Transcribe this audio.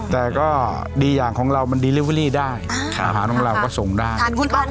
แต่ก็ดีอย่างของเรามันได้ครับหาของเราก็ส่งได้ทานกุ้งต้นได้